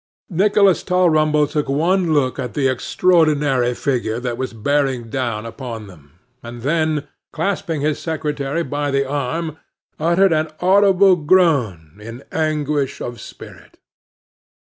Nicholas Tulrumble took one look at the extraordinary figure that was bearing down upon them; and then, clasping his secretary by the arm, uttered an audible groan in anguish of spirit.